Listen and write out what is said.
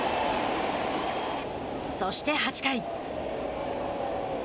そして８回。